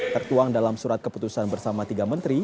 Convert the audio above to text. tertuang dalam surat keputusan bersama tiga menteri